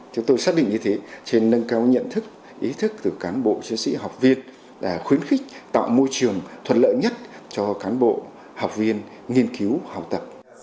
chúng tôi xác định như thế trên nâng cao nhận thức ý thức từ cán bộ chiến sĩ học viên là khuyến khích tạo môi trường thuận lợi nhất cho cán bộ học viên nghiên cứu học tập